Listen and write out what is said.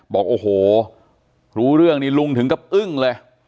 บอกโอ้โหรู้เรื่องนี้ลุงถึงกับอึ้งเลย